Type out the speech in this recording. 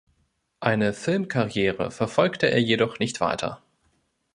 Eine Filmkarriere verfolgte er jedoch nicht weiter.